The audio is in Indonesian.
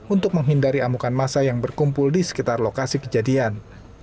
untuk menghindari amukan masa yang berkumpul di sekitar lokasi kejadian